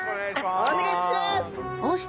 お願いします！